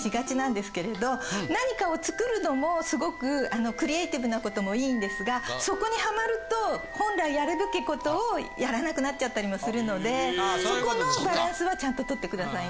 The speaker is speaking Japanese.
何かを作るのもすごくクリエイティブなことも良いんですがそこにハマると本来やるべきことをやらなくなっちゃったりもするのでそこのバランスはちゃんと取ってくださいね。